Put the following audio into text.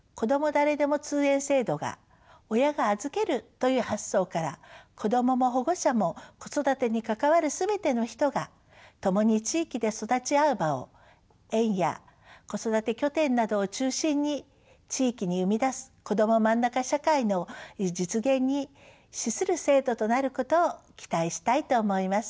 誰でも通園制度が「親が預ける」という発想から子どもも保護者も子育てに関わる全ての人が共に地域で育ち合う場を園や子育て拠点などを中心に地域に生み出すこどもまんなか社会の実現に資する制度となることを期待したいと思います。